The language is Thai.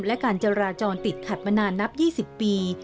และการจราจรติดขัดมานานนับ๒๐ปี